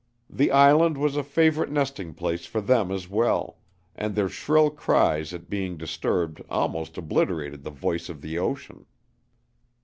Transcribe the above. The island was a favorite nesting place for them as well, and their shrill cries at being disturbed almost obliterated the voice of the ocean.